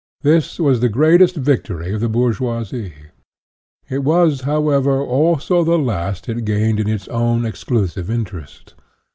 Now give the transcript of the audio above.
This was the greatest victory of the bourgeoisie ; it was, however, also the last it gained in its own, exclusive interest.